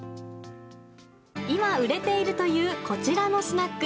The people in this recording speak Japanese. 今、売れているというこちらのスナック。